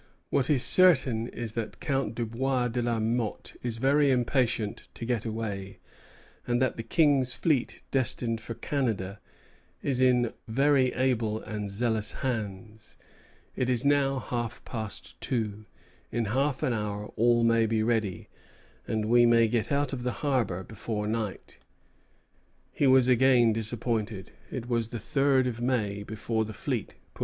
What is certain is that Count Dubois de la Motte is very impatient to get away, and that the King's fleet destined for Canada is in very able and zealous hands. It is now half past two. In half an hour all may be ready, and we may get out of the harbor before night." He was again disappointed; it was the third of May before the fleet put to sea.